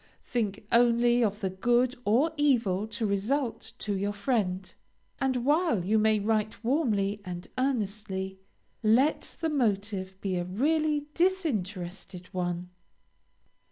Think only of the good or evil to result to your friend, and while you may write warmly and earnestly, let the motive be a really disinterested one.